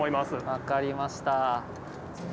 分かりました。